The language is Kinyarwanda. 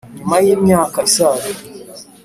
Nyuma y imyaka isaga